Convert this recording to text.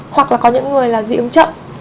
hoặc là có những người là dị ứng chậm